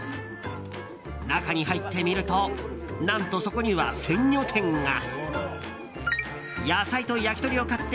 中に入ってみると何と、そこには鮮魚店が。